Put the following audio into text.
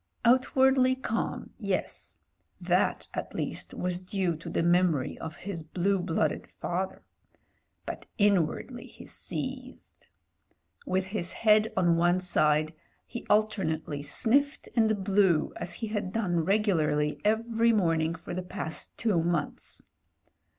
Outwardly calm — ^yes : that at least was due to the memory of his blue blooded father. But inwardly, he seethed. With his head on one side he alternately sniffed and blew as he had done regularly every morn ing for the past two months.